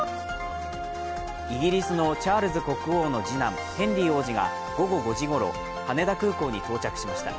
イギリスのチャールズ国王の次男、ヘンリー王子が午後５時ごろ羽田空港に到着しました。